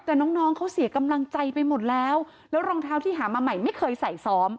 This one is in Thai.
แต่น้องน้องเขาเสียกำลังใจไปหมดแล้วแล้วรองเท้าที่หามาใหม่ไม่เคยใส่ซ้อม